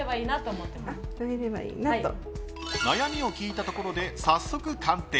悩みを聞いたところで早速、鑑定。